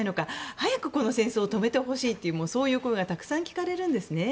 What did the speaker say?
早くこの戦争を止めてほしいというそういう声がたくさん聞かれるんですね。